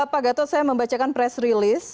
pak gatot saya membacakan press release